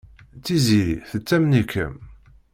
Tiziri tettamen-ikem.